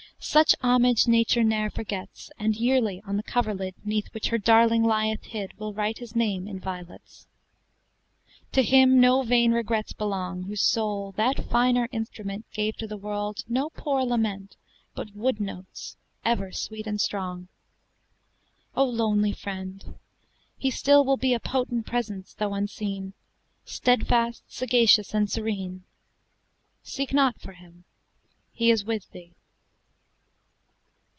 Such homage Nature ne'er forgets, And yearly on the coverlid 'Neath which her darling lieth hid Will write his name in violets. "To him no vain regrets belong, Whose soul, that finer instrument, Gave to the world no poor lament, But wood notes ever sweet and strong. O lonely friend! he still will be A potent presence, though unseen, Steadfast, sagacious, and serene: Seek not for him, he is with thee."